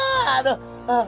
aduh tis udah